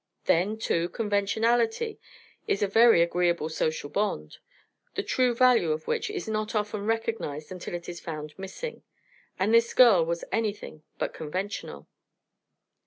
Then, too, conventionality is a very agreeable social bond, the true value of which is not often recognized until it is found missing, and this girl was anything but conventional.